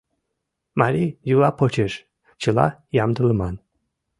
Марий йӱла почеш... чыла ямдылыман.